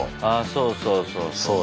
そうそうそうそう。